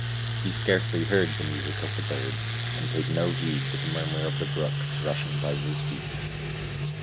He scarcely heard the music of the birds, and paid no heed to the murmur of the brook rushing by his feet.